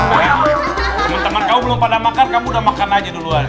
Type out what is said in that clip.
teman teman kamu belum pada makan kamu udah makan aja duluan